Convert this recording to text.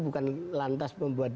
bukan lantas membuat demokrasi